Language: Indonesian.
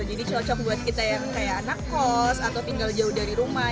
cocok buat kita yang kayak anak kos atau tinggal jauh dari rumah